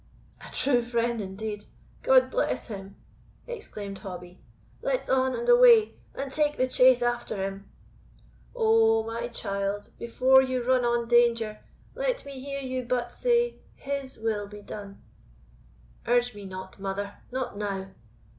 "A true friend indeed; God bless him!" exclaimed Hobbie; "let's on and away, and take the chase after him." "O, my child, before you run on danger, let me hear you but say, HIS will be done!" "Urge me not, mother not now."